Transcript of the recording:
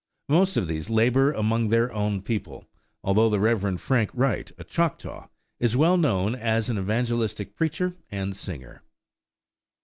Most of these labor among their own people, though the Rev. Frank Wright, a Choctaw, is well known as an evangelistic preacher and singer.